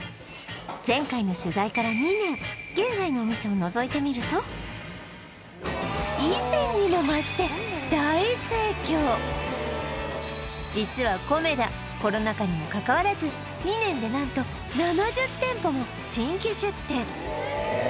前回の取材から２年現在のお店をのぞいてみると以前にも増して実はコメダコロナ禍にもかかわらず２年で何と７０店舗も新規出店え・